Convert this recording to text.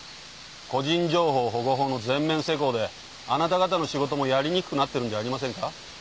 個人情報保護法の全面施行であなた方の仕事もやりにくくなっているんじゃありませんか？